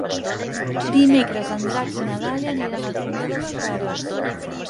Dimecres en Drac i na Dàlia aniran al Fondó dels Frares.